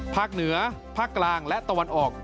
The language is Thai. ภาคเหนือภาคกลางและตะวันออก